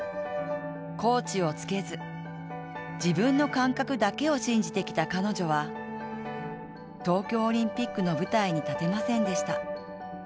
コーチをつけず、自分の感覚だけを信じてきた彼女は東京オリンピックの舞台に立てませんでした。